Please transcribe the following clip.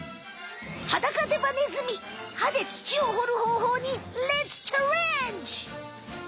ハダカデバネズミ歯で土をほるほうほうにレッツチャレンジ！